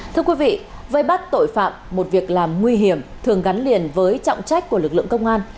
thưa quý vị vây bắt tội phạm một việc làm nguy hiểm thường gắn liền với trọng trách của lực lượng công an